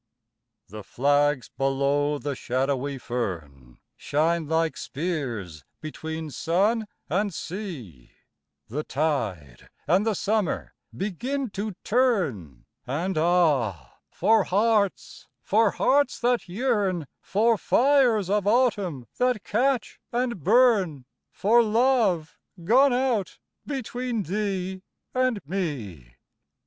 THE flags below the shadowy fern Shine like spears between sun and sea, The tide and the summer begin to turn, And ah, for hearts, for hearts that yearn, For fires of autumn that catch and burn, For love gone out between thee and me.